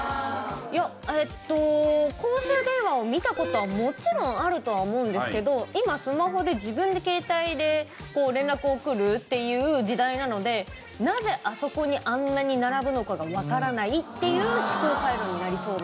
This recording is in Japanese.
いやえっと公衆電話を見た事はもちろんあるとは思うんですけど今スマホで自分で携帯で連絡を取るっていう時代なのでなぜあそこにあんなに並ぶのかがわからないっていう思考回路になりそうだなって。